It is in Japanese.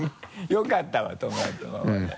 よかったわ友達のままで。